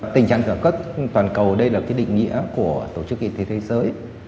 tình trạng khẩn cấp toàn cầu đây là định nghĩa của tổ chức y tế thế giới